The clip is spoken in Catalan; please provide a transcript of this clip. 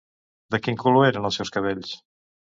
De quin color eren els seus cabells?